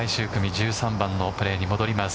１３番のプレーに戻ります。